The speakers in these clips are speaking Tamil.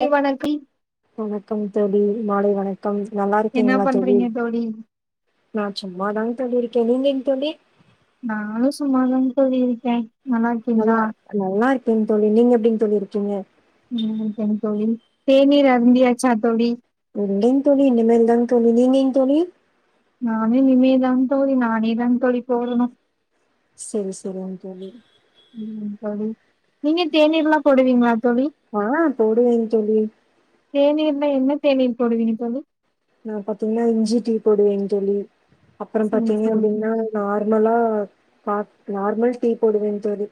லை வணக்கம் வணக்கம் தோழி மாலை வணக்கம் நல்லா என்ன இருக்கீங்களா தோழி பண்றீங்க நான் சும்மாதான் தோழி இருக்கேன் அ நீங்க எங்க தோழி நானும் சும்மாதான் தோழி இருக்கேன் நல்லா நல்லா இம் தோழி நீங்க எப்படிங்க தோழி இருக்கீங்க ம் தோலி தேநீர் அருந்தியாச்சா தோழி இ தோழி இனிமேல் தான் தோழி நீ நீ தோணி [unintelligible] நானே நமதான் தோ நானேதான் தோழி போடணும் சரி சரி அ சொி உம் சொ நீங்க தேனீர்ல்லாம் கொடுவீங்கள ஆஹ் போடுவேங்க தோழி தேநீர்ல என்ன தேநீர் போடீவீங்க தோலி நா பாத்தீங்கன்னா இஞ்சி டீ போடுவேங்க தோலி அப்றோ சரி பாத்தீங்க சரி அப்டின்னா நார்மலா பா நார்மல் டீ போடுவே தோழி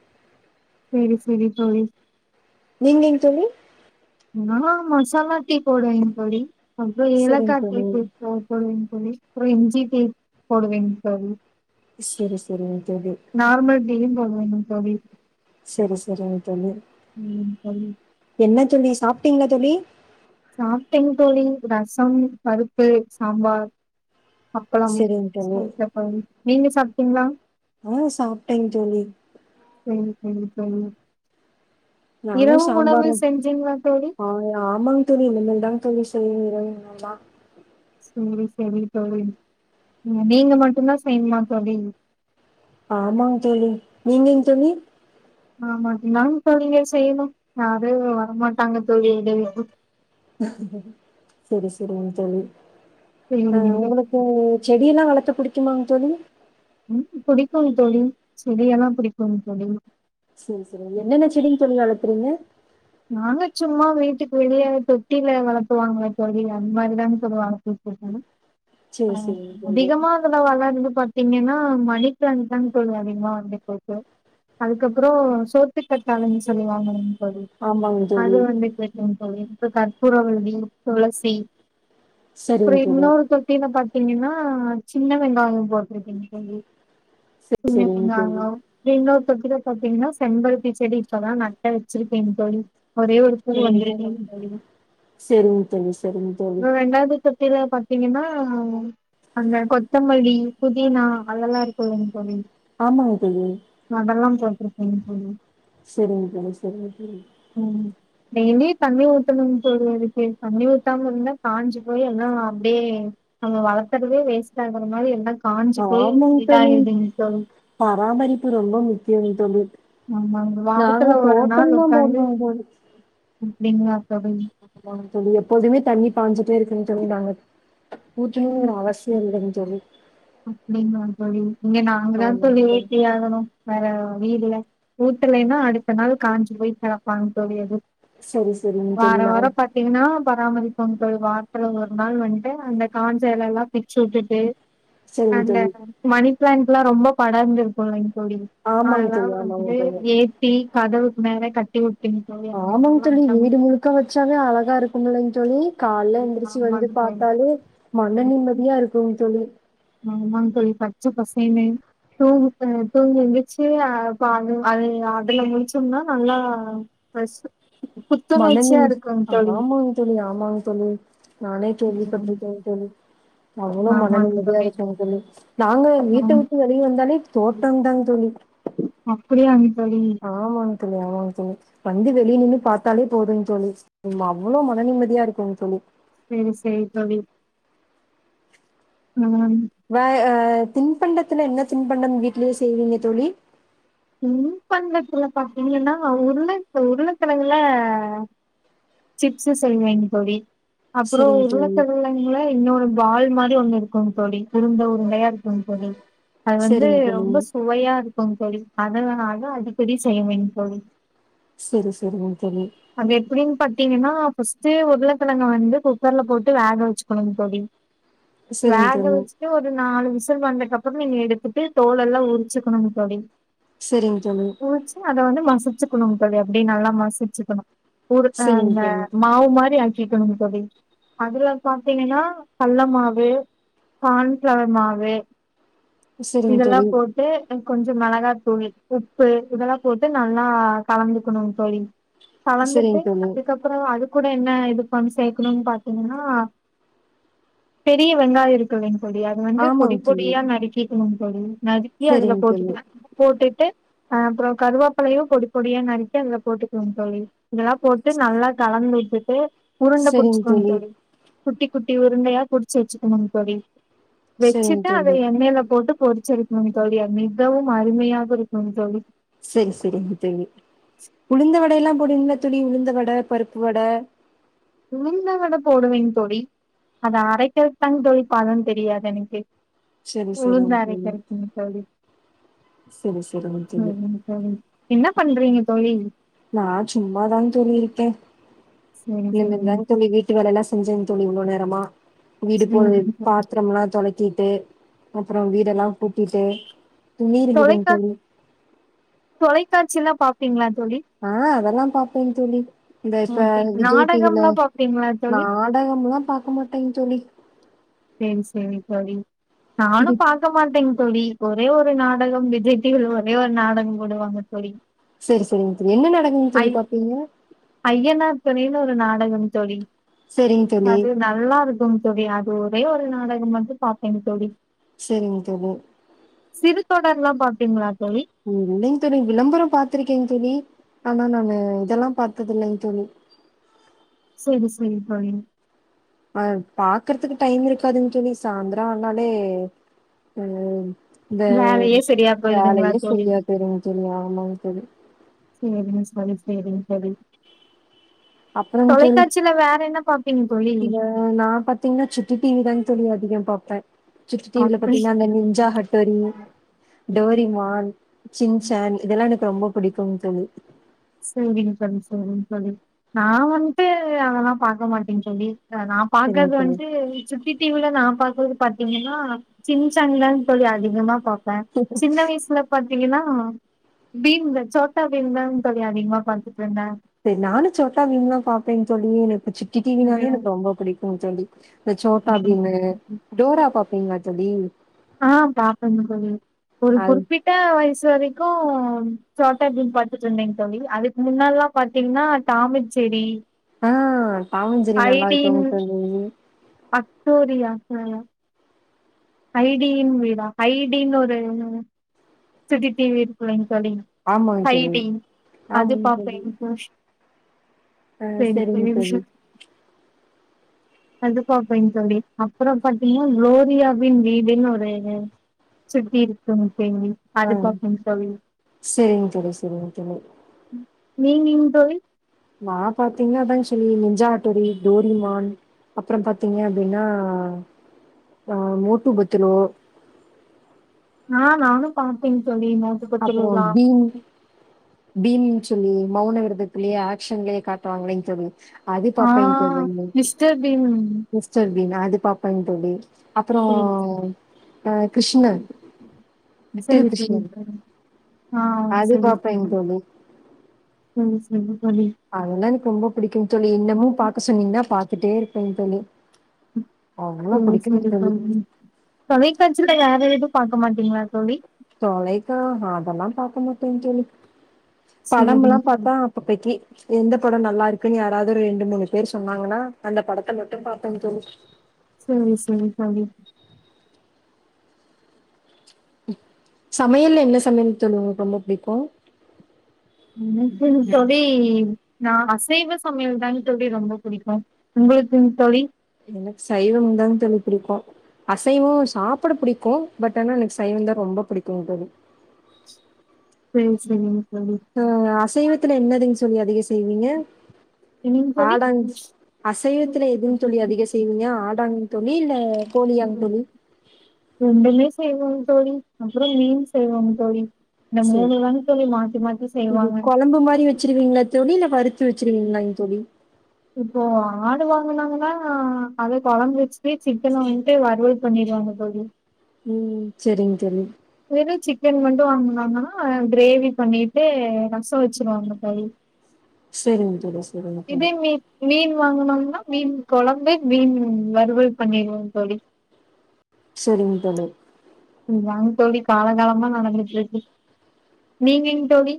செரி-செரி செரி நீங்கஎங்க தோழி ஆஹ் மசாலா போடுவே தோழி அப்ப சரிங்க ஏலக்கா தோழி. டீ போடுவோ தோழி ரி ஒரு எம்ஜிே போடுவேங்கது செரி செரிங்க தோழி பும் கவி செரி செரிங்க தோழி உம் சரி பிங்க தோழி சாப்பிட்டேங்க தோழி ரசம் பருப்பு சாம்பார் அப்பளங்க சரிங்க தோழி. சப்ப நீங்க சாப்பிட்டீங்களா ஆஹ் சாப்பிட்டேன் தோழி செரி-செரி தோழி நானு இரவு உணவு சம்பார் செஞ்சீங்களா தோழி ஆஹ் ஆமாங்க தோழி [inaudible] செரி-செரி தோழி நீங்க மட்டும் தான் செய்யணுமா தோழி ஆமாங்க தோழி நீங்கங்க தோழி ஆமாட்டனங்க இப்போ நீங்க செய்யணும் யாரும் வரமாட்டாங்க தோழி எடவேும் செரி-செரி தோழி சரி. ஆஹ் உங்களுக்கு செடியெல்லாம் வள பிடிக்க வாங்க தோழி உ புிடிக்கும் ததழி செடியெல்லாம் புிடிக்கும் தோழி சரி சரி என்னென்ன செடி தொழில் வளர்த்துறீங்க நாங்க சும்மா வீட்டுக்கு வெளியே தொட்டியில வளர்புவாங்கள தோழி அந்த மாதிரிதானே சொ வளர்பு செரி செரிங் தோழி அதிகமா அந்தளவுல்ல இரு பாத்தீங்கன்னா மணி பிளாண்ட் தான்ு கோழ அதிகமா வண்ட போட்டு [unintelligible] அதுக்கப்புறம் சோத்து கத்தாலன்னு சொல்லுவாங்கன்னு தோழி ஆமாங் அது தோழி வந்து கச்ச தோழி கற்பூரவல்லி துளசி அப்றோ செரிங் தோழி இன்னொரு தொட்டில பாத் என்னனா சின்ன வெங்காயம் போட்ருக்கீங்க செரிங் தோழி [unintelligible] க்கில பாத்தீங்கன்னா செம்பருத்தி செடி இப்பதாம் நட்டா வச்சிருக்கேன் தோழி ஒரே ஒரு பூ செரிங் வந்துருக்கு தோழி செரிங் தோழி செரிங் தோழி ல பாாரத்தீங்கன்னா அந்த கொத்தமல்லி புதினா அதெல்லாம் இருக்கும்ங்கல்ல தோழி ஆமாங்க தோழி அதெல்லா [unintelligible] சரிங்க தோழி சரிங்க தோழி டெய்லி தண்ணி ஊத்தணும்ங்க தோழி இருக்கு தண்ணி ஊத்தாம இருந்தா காயஞ்சு போய் எல்லாம் அப்படியே நம்ம வளர்த்துறவே வேஸ்ட் ஆகுற மாதிரி எல்லாம் ஆமா தோழி பராமரிப்பு ரொம்ப முக்கியம் தோழி நாங்க தோட்டம் தான் வந்து அப்டிங்களா தோழி தோலி எப்போதுமே தண்ணி பாஞ்சிட்டே இருக்குங்க [unintelligible] பூச்சணங்க ஒரு அவசியம் இல்லை தோழி அப்படியாக தோழி இங்க நாங்கதான் ஆமாங்க தோழி சொல்லிப்ப ஆகணும் வேற வீடுல ஊட்டுலன்னா அடுத்த நாள் காஞ்சு போய் திறப்பாங்கு தோழி சரி சரிங்க தோழி வாரம் நா வாரம் பாத்தீங்கன்னா பராமரி பொங்க வாரத்தல ஒரு நாள் வந்துட்டு அந்த காஞ்சல எல்லாம் பிச்சு விட்டுட்டு [unintelligible] அ சரிங்க தோழி மணி பிளாண்ட் ல்லாம் ரொம்ப படர்ந்திருக்கும் டி ஆமாங்க தோழி அதெல்லாம் ஆமாங்க வந்து தோழி ஏத்தி கதைவுக்குனறே கட்டி வி ஆமாங்க தோழி வீடு முழுக்க வச்சாவே அழகா இருக்கும்லங்க தோழி கால்ல எந்திரிச்சு ஆமாங் வந்து பார்த்தாலே தோழி மன நிம்மதியா இருக்குங்க தோழி [unintelligible] பச்சை பசனேனு தூங்கு தூங்கு வங்கச்சுஹ பால அது அதுல முடிச்சோம்னா நல்லா புத்துணர்ச்சியா மணநில் இருக்குங் தோழி ஆமாங்க தோழி ஆமாங்க தோழி நானே கேள்வி பட்டுருக்கேன் தோழி அவ்ளொ மன ஆமாங் நிம்மதியா தோழி இருக்குங்க தோழி நாங்க ஆ வீட்ட விட்டு வெளிய வந்தாலே தோட்டம் தாங்க தோழி அப்புடியாங்க தோழி க தோழி ஆமாங்க தோழி வந்து வெளிய நின்னு பாத்தாலே போதுங் தோழி அவ்ளொ மன நிம்மதியா இருக்குங் தோழி சேரி சேரி தோழி ம் ம் ற தின்பண்டத்துல என்ன தின்பண்டம் வீட்லயே செய்வீங்க தோழி திண்பண்டத்துல பாத்திங்கன்னா உருளக் உருளக்கெழங்குல சிப்ஸு செய்வேங்க தோழி அப்பறொ சரிங்க தோழி உருளக்கெழங்குல இன்னொரு பால் மாரி ஒண்ணு இருக்குங் தோழி உருண்ட உருண்டையா இருக்குங் தோழி அது வந்து சரிங்க தோழி ரொம்ப சுவையா இரு க்கும் தோழி அதனா அத அடிக்கடி செய்வேங் தோழி செரி செரிங்க தோழி த்தீங்கன்னா ஃபஸ்ட்டு உருளக்கெழங்க வந்து குக்கர்ல போட்டு வேக வச்சுக்கணுங் தோழி சரிங்க வேக தோழி வச்சுட்டு ஒரு நாலு விசி ல் வந்தக்கப்றொ நீங்க எடுத்துட்டு தோல் எல்லா உருச்சுக்கணுங் தோழி செரிங்க தோழி ஊச்சு அத வந்து மசுச்சுக்கணுங் தோழி அப்டி நல்லா மசுச்சுக்கணு ஒரு அ சரிங்க அந்த தோழி மாவு மாரி ஆக் கிக்கணுங் தோழி அதுல பாத்தீங்கனா கல்ல மாவு கான்ஃப்ளவர் மாவு சரிங்க இதெல்லா தோழி போட்டு கொஞ்ச மெளகா தூள் உப்பு இதெல்லா போட்டு நல்லா கலந்துக்கணுங் தோழி கலந்துட்டு சரிங்க தோழி அதுக்கப்றோ அது கூட என்ன இது பண் சேக்கணுன் பாத்திங்கன்னா பெரிய வெங்காய இருக்குல்லிங் தோழி அது வந்து பொடி ஆமாங்க தோழி பொடியா நறுக்கிக்கணுங் தோழி நறுக்கி அதுல சரிங்க தோழி போட்டு ட்டு அ அப்றொ கருவாப்பலையு பொடி பொடியா நறுக்கி அதுல போட்டுக்கொங் தோழி இதெல்லா போட்டு நல்லா கலந்து வி ட்டுட்டு உருண்ட புடுச்சுக்கோங் தோழி குட்டி குட்டி உருண்டையா புடுச்சு வெச்சுக்கணுங் தோழி சரிங்க வெச்சுட்டு அத தோழி எண்ணெய்ல போட்டு பொறிச்சு எடுக்னுங் தோழி அ மிகவும் அ உண்மையாவு இருக்கணு தோழி செரி செரிங்க தோழி உளுந்த வடையெல்லா போடுவீங்களா தோழி உளுந்த வட பருப்பு வட உளுந்த வட போடுவேங் தோழி அத அரைக்கிறதுக்குதாங்க தோழி பதம் தெரியாது எனக்கு. சரி உளுந்து சரிங்க தோழி அரைக்கறக்குங்க தோழி சரி சரிங்க தோழி ஆமாங்க தோழி என்ன பண்றீங்க தோழி நா சும்மாதாங் தோழி இருக்கே. சரி எங்கங்க சரிங்க தோழி வீட்டு வேல எல்லா செஞ்சே தோழி இவ்ளோ நேரமா வீடு போ சரிங்க பாத்திரம்லா தொலக் கிட்டு அப்புறோ வீடெல்லா கூட்டிட்டு துணி இருந்ததுங் தொலைக்கா தோழி தொலைக்காட்சி எல்லா பாப்பீங்களா தோழி ஆ அதெல்லா பாப்பேங் தோழி. இந்த இப்ப ஓகே விஜய் டி வி ல நாடகம்லா பாப்பீங்களா தோழி நாடகம்லா பாக்க மாட்டேங்க தோழி. சேரி சேரி தோழி நானு இது பாக்க மாட்டேங் தோழி ஒரே ஒரு நாடகம் விஜய் டி வி ல ஒரே ஒரு நாடகம் போடுவாங்க தோழி. செரி செரிங்க தோழி என்ன நாடகங் ஐ தோழி பாப்பீங்க? ஐயனார் துணைன்னு ஒரு நாடகங் தோழி. சரிங் தோழி அது நல்லா இருக்குங் தோழி அ து ஒரே ஒரு நாடகம் வந்து பாப்பேங் தோழி. செரிங் தோழி சிறு தொடர்லா பாப்பீங்களா தோழி இல்லைங்க தோழி விளம்பரோ பாத்துருக்கேங்க தோழி ஆனா நானு இதெல்லா பாத்ததில்லைங்க தோழி. செரி செரி தோழி ஆ பாக்கறதுக்கு டைம் இருக்காதுங் தோழி சாயந்திரோ ஆனாலே ம் இந்த வேலையே சரியா போயிருதுங்களா வேலையே தோழி செரியா இருக்குதுங்க தோழி ஆமாங்க தோழி சேரிங்க தோழி சேரிங்க தோழி. அப்றொங் தோழி தொலைக்காட்சியில வேற என்ன பாப்பீங்க தோழி இத நா பாத்தீங்னா சுட்டி டி வி தாங் தோழி அதிகம் பாப் சுட்டி டி வி ல அப்படி பாத்தீங்னா அந்த நிஞ்சா ஹட்டோரி டோரிமான் சின்சான் இதெல்லா எனக்கு ரொம்ப புடிக்குங் தோழி சேரிங் தோழி சேரிங் தோழி நா வன்ட்டு அதெல்லா பாக்க மாட்டே தோழி அ நா சரிங்க பாக்கற்து தோழி வன்ட்டு சுட்டி டி வி ல நா பாக்கற்து பாத்தீங்கன்னா சின்சான்தாங் தோழி அதிகமா பாப் பே சின்ன வயசுல ப த்தீங்கனா பீம் த சோட்டா பீம் தா தோழி அதிகமா பாத்துட்ருந்தே தெர் நானு சோட்டா பீம்லா பாப்பேங் தோழி எனக் கு சுட்டி டி வி ன்னாலே எனக்கு ரொம்ப புடிக் கு தோழி இந்த சோட்டா பீமு டோரா பாப் பிங்ளா தோழி ஆ பாப்பெங்க தோழி ஒரு அது குறிப்பிட்ட வயசு வரை க்கு சோட்டா பீம் பாத்துட்ருந்தேங் தோழி அதுக்கு முன்னால்லா பாத்தீங்னா டாமன் செரி ஆ டாம் அண்ட் ஜெர்ரி நல்லா இருக்குங்க தோழி ஹக்டோரியா ஹ ஹைடியின் வீடா ஹைடின் ஒரு சுட்டி டி வி இருக்குல்லைங் தோழி ஆமாங்க தோழி. ஹைடி அது ஆமாங்க தோழி. பாப்பேங் [unintelligible] ஆ சேரி சரிங்க தோழி. [unintelligible] அது பாப்பேங் தோழி அப்புறம் பாத்தீங்னா குளோரியாவின் வீடுன்னு ஒரு சுட்டி இருக்கு அ செரிங்க தோழி செரிங்க தோழி நீங்கிங் தோழி நா பாத்திங்னா அதாங் சொல்லி நிஞ்சா ஹட்டோரி டோரிமான் அப்றம் பாத்தீங்க அப்டின்னா ஆ மோட்லு பத்துலு ஆ நானு பாப்பேங் அப்புறொ பீன் பீன்னு சொல்லி மௌன வி தத்துலயே ஆக்ஷன்லயே காட்டுவாங்கில்லெங் தோழி அது ஆ பாப்பேங் தோழி மிஸ்டர் பீம் [unintelligible] மிஸ்டர் பீன் அது பாப்பெங் தோழி அப்புறோ சரி சரி அ கிருஷ்ண லிட்டில் சரி சரி கிருஷ்ணன் சரி ஆ அது செரி பாப்பேங்க [inaudible] ம் [unintelligible] அதல்லா எனக்கு ரொம்ப புடிக்கும் தோழி இன்னமு பாக்க சொன்னீங்கன்னா பாத்துட்டே இருக் பேன் தோழி அவ்ளோ சேரி பிடிக்கும் சேரி தோழி [unintelligible] வேற ஏது பாக்கமாட்டிங்களா தோழி தொலைக்கா அதெல்லாம் பாக்க மாட்டேன் சொல்லி சேரிங்க படம்ல்லாம் தோழி பாத்தா அப்பப் [unintelligible] எந்த படோ நல்லாருக்குன்னு யாராவது ரெண்டு மூணு பேர் சொன்னாங்கன்னா அந்த படத்த மட்டு பாபேன் தோழி சேரி சேரி தோழி சமையல்ல என்ன சமையல் தோழி உங்களுக்கு ரொம்ப புடிக்கு எனக்குனு தோழி நா அசைவ சமையல் தானு தோழி ரொம்ப புடிக்கும் உங்களுக்குங் தோழி எனக்கு சைவந்தா தோழி புடிக்கு அசைவோ சாப்புட புடிக்கு பட் ஆனா எனக்கு சைவந்தா ரொம்ப புடிக்குங் தோழி ம் சேரிங்க தோழி ஆ அசைவத்துல என்னதுங்ஸ் தோழி அதிக செய்வீங்க என்னங்க தோழி ஆடாங்ஸ் அசைவத்துல எதுங் தோழி அதிக செய்வீங்க ஆடாங்க தோழி இல்ல கோழியாங் தோழி ரெண்டுமே செய்வோங் தோழி அப்பறோ மீன் செய்வோங் தோழி இந்த சேரி மூணு தாங்க தோழி மாத்தி மாத்தி இது செய்வாங்க கொழம்பு மாரி வச்சிருவிங்களா தோழி இல்ல வருத் பிருச்சுருவிங்களாங் தோழி இப்போ ஆடு வாங்குனாங்கன்னா அதே கொழம்பு வெச்சுட்டு சிக்கன் வாங்கிட்டு வருவல் பண்ணிருவாங்க எப்போமே ம் சேரிங் தோழி வெறு சிக்கன் மட்டு வாங்குனாங்கன்னா கிரேவி பண்ணிட்டு ரசோ வெச்சுருவாங்க தோழி சேரிங் தோழி சேரிங்க தோழி வாங்குனாங்கன்னா மீன் கொழம்பு மீன் வருவல் பண்ணிருவோங் தோழி சேரிங் தோழி இதாங் தோழி காலங்காலமா நடந்துட்டு இருக்கு நீங்கங் தோழி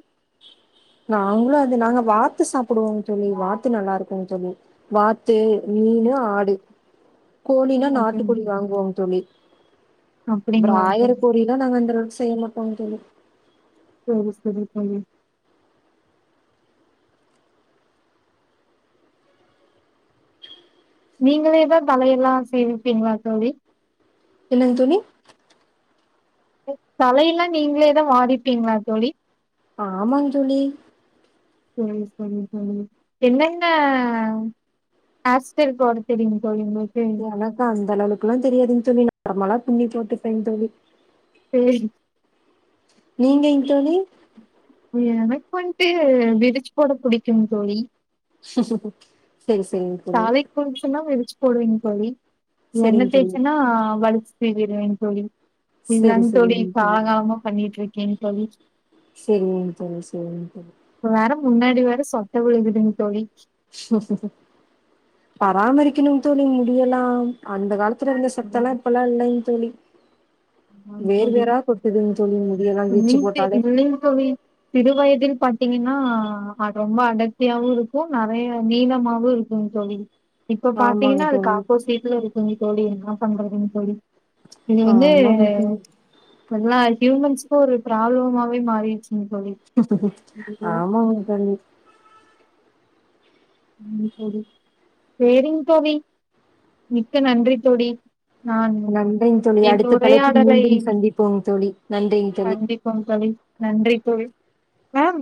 நாங்ளு அது நாங்க வார் து சாப்டுவோ தோழி வார்த் து நல்லா இருக்குங் தோழி வார் தே மீனு ஆடு கோழினா நாட்டுக்கோழி வாங்குவோங் தோழி அப்டிங்களா பிராய்லர் சரி கோழி எல்லா நாங்க அந்தளவுக்கு செய் மாட் ஆமாங் தோழி [unintelligible] நீங்களாவே தலையெல்லா சீவிப்பீங்களா தோழி என்னங் தோழி தல இல்லா நீங்ளேத் வாரிப்பீங்களா தோழி ஆமாங் ஜுலீ சரி சரி சரி தோழி என்னென்ன ஹேர் ஸ்டைல் போட தெரியும்ங்க தோழி உங்குளுக் எனக்கு அந்த அளளவுக்குலாம் தெரியாதுங் தோழி நார்மலா பிண்ணி போட்டு பேந்தோழி செரிங் நீங்கங் தோழி இப்பன்ட்டு விரிச் போட புடிக்குங் தோழி ச ச ச தலைக் குளிசெனா வெந் புர்லிங் தோழி என்ன செரிங் தோழி தேய்ச்சனா வலிச் செஞ்டுவேங் தோழி செரி இதாங் தோழி செரிங் சாகாம பண்ணிட்டிருக் ஓகேங் தோழி சரிங்கங் தோழி சரிங் தோழி இப்ப வேற முன்னாடி வேற சொட்ட விளுகுதுங் தோழி ஹ் சா பராமரிக்கணுங் தோழி முடியலாம் அந்த காலத் ருந்த சொட்டலா இப்பெல்லாம் இல்லன் தொழி ஆமாங் தோழி கொட்டுதுங் தோழி முடியெல்லா வீச்சு இல்லங் போட்டாலே இல்லங் தோழி சிறு வயதில் பாத்தீங்கன்னா அது ரொம்ப அடர்த்தியாவு இருக்கு நிறைய நீளமாவும் இருக்குன் தோழி இப்ப ஆமாங் பாத்தீங்ன்னா தோழி அதுக்குஆப்போ சீட்டுல இருக்குங்க தோழி என்னா பன்றதுங் தோழி இது வந்து ஆமங் உ எல்லா ஹியூமன்ஸ்கு ஒரு ப்ராப்ளமாவே மாறிடுச் ஆமாங் தோழி சேரிங் தோழி மிக்க நன்றி தோழி நான் நன்றிங் தோழி என் அடுத்த தலைப்பில் உரையாடலை மீண்டும் சந்திப்போங் தோழி நன்றிங் தோழி தொழி மேம்